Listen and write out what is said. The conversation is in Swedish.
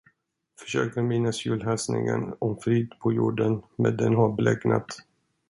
Försöker minnas julhälsningen om frid på jorden, men den har bleknat.